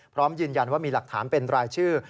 พร้อมยืนยันว่ามีหลักฐานเป็นรายชื่อ